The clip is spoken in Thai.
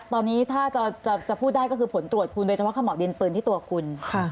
ตอนนี้ถ้าจะพูดได้ก็คือผลตรวจคุณโดยเฉพาะขม่าวดินปืนที่ตัวคุณ